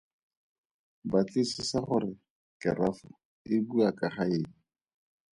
Batlisisa gore kerafo e bua ka ga eng.